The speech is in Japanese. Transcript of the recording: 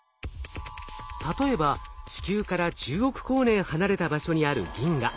例えば地球から１０億光年離れた場所にある銀河。